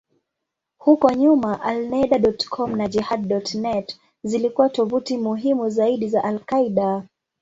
Huko nyuma, Alneda.com na Jehad.net zilikuwa tovuti muhimu zaidi za al-Qaeda.